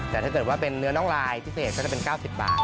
แต่ถ้าเกิดว่าเป็นเนื้อน้องลายพิเศษก็จะเป็น๙๐บาท